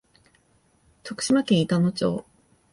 徳島県板野町